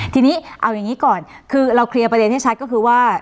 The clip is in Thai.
ทีนี้เอาอย่างนี้ก่อนคือเราเคลียร์ประเด็นให้ชัดก็คือว่า